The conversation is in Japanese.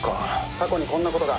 過去にこんなことが。